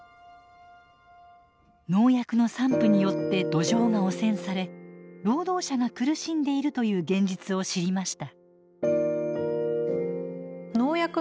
農薬の散布によって土壌が汚染され労働者が苦しんでいるという現実を知りました。